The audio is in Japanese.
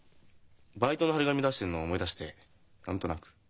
バイトの貼り紙出してるの思い出して何となく。